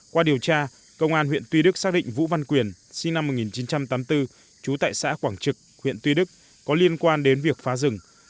qua điều tra công an huyện tuy đức xác định vũ văn quyền sinh năm một nghìn chín trăm tám mươi bốn trú tại xã quảng trực huyện tuy đức có liên quan đến việc phá rừng